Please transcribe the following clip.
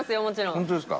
本当ですか？